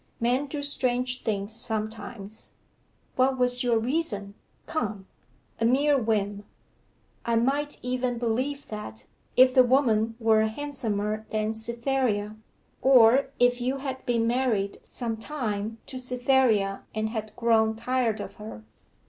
'Men do strange things sometimes.' 'What was your reason come?' 'A mere whim.' 'I might even believe that, if the woman were handsomer than Cytherea, or if you had been married some time to Cytherea and had grown tired of her.